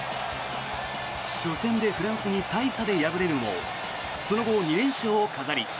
初戦でフランスに大差で敗れるもその後、２連勝を飾り